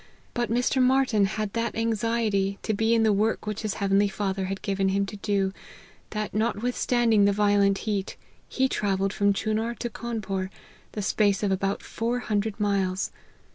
But Mr. Martyn had that anxiety to be in the work which his heavenly father had given him to do, that, notwithstanding the violent heat, he travelled from Chunar to Cawn pore, the space of about four hundred miles.